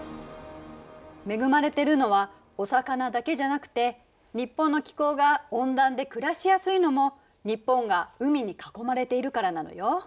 恵まれてるのはお魚だけじゃなくて日本の気候が温暖で暮らしやすいのも日本が海に囲まれているからなのよ。